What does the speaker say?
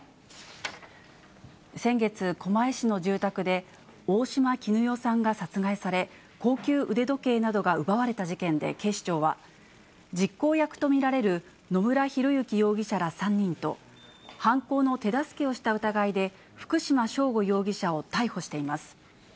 先月、狛江市の住宅で、大塩衣与さんが高級腕時計などが奪われた事件で警視庁は、実行役と見られる野村広之容疑者ら３人と、犯行の手助けをした疑いで福島聖悟容疑者を逮捕しています。